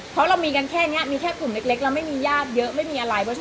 เพราะเรามีกันแค่นี้มีแค่กลุ่มเล็กเราไม่มีญาติเยอะไม่มีอะไร